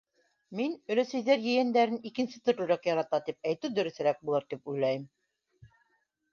Мин, өләсәйҙәр ейәндәрен икенсе төрлөрәк ярата, тип әйтеү дөрөҫөрәк булыр, тип уйлайым.